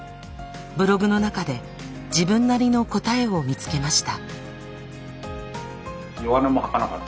ブログの中で自分なりの答えを見つけました。